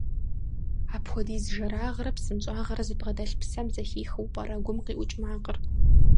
Апхуэдиз жэрагърэ псынщӀагърэ зыбгъэдэлъ псэм зэхихыу пӀэрэ гум къиӀукӀ макъыр?